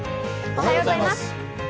おはようございます。